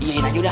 ini aja udah